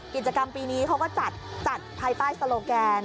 กิจกรรมปีนี้เขาก็จัดภายใต้โลแกน